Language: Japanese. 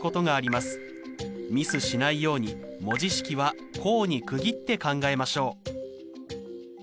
ミスしないように文字式は項に区切って考えましょう。